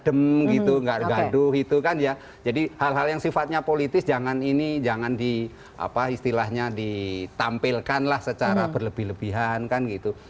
adem gitu nggak gaduh itu kan ya jadi hal hal yang sifatnya politis jangan ini jangan di apa istilahnya ditampilkan lah secara berlebih lebihan kan gitu